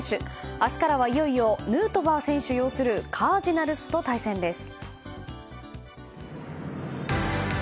明日からはいよいよヌートバー選手擁するカージナルスと対戦です。